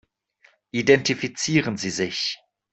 Identifizieren Sie sich.